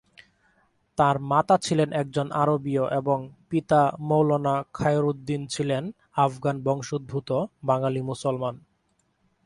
তাঁর মাতা ছিলেন একজন আরবীয় এবং পিতা মওলানা খায়রউদ্দীন ছিলেন আফগান বংশোদ্ভূত বাঙালি মুসলমান।